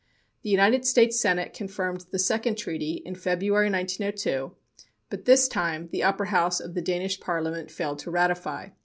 The United States Senate confirmed the second treaty in February, 1902, but this time the Upper House of the Danish Parliament failed to ratify.